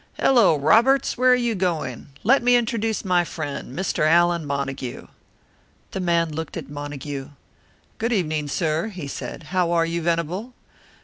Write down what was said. "Hello! Roberts, where are you going? Let me introduce my friend, Mr. Allan Montague." The man looked at Montague. "Good evening, sir," he said. "How are you, Venable?"